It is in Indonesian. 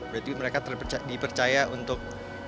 berarti mereka dipercaya untuk